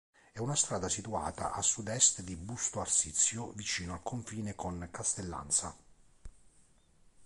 È una strada situata a sudest di Busto Arsizio, vicino al confine con Castellanza.